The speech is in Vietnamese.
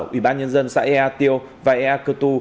ủy ban nhân dân xã ea tiêu và ea cơ tu